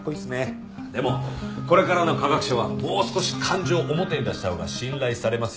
でもこれからの科学者はもう少し感情を表に出したほうが信頼されますよ。